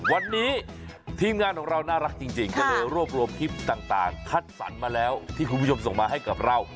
วันนี้ทีมงานของเราน่ารักจริงก็เลยรวบรวมคลิปต่างคัดสรรมาแล้วที่คุณผู้ชมส่งมาให้กับเรา